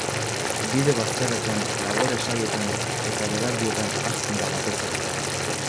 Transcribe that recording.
Bide bazterretan, labore-sailetan eta belardietan hazten da, batez ere.